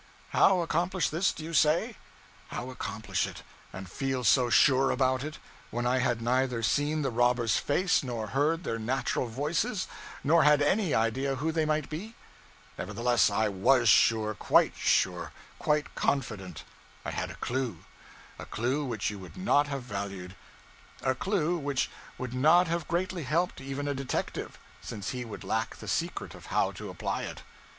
How accomplish this, do you say? How accomplish it, and feel so sure about it, when I had neither seen the robbers' faces, nor heard their natural voices, nor had any idea who they might be? Nevertheless, I _was _sure quite sure, quite confident. I had a clue a clue which you would not have valued a clue which would not have greatly helped even a detective, since he would lack the secret of how to apply it.